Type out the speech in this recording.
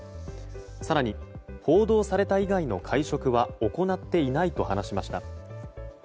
更に、報道された以外の会食は行っていないと話しました。